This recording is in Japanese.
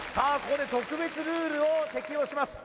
ここで特別ルールを適用します